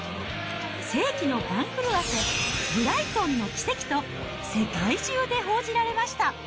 世紀の番狂わせ、ブライトンの奇跡と世界中で報じられました。